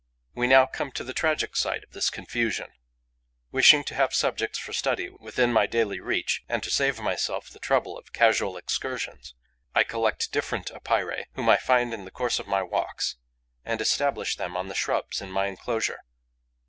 We now come to the tragic side of this confusion. Wishing to have subjects for study within my daily reach and to save myself the trouble of casual excursions, I collect different Epeirae whom I find in the course of my walks and establish them on the shrubs in my enclosure.